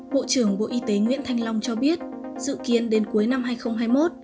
bộ trưởng bộ y tế nguyễn thanh long cho biết dự kiến đến cuối năm hai nghìn hai mươi một